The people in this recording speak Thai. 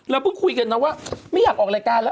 เพิ่งคุยกันนะว่าไม่อยากออกรายการแล้ว